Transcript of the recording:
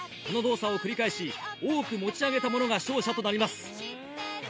この動作を繰り返し多く持ち上げた者が勝者となります。